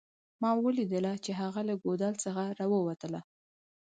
ما ولیدله چې هغه له ګودال څخه راووتله